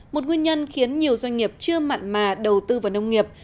một nguyên nhân khiến nhiều doanh nghiệp chưa mặn mà đầu tư vào nông nghiệp